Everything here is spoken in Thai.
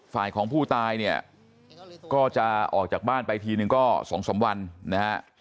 ฝ่ายของผู้ตายก็จะออกจากบ้านไปทีนึงก็สองสมวัน